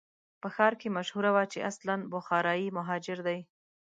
په ښار کې مشهوره وه چې اصلاً بخارایي مهاجر دی.